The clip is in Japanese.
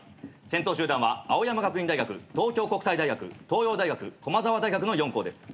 先頭集団は青山学院大学東京国際大学東洋大学駒澤大学の４校です。